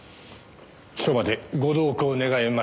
署までご同行願えますか。